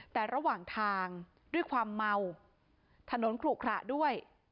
แต่ระหว่างทางด้วยความเมาถนนขลุขระด้วย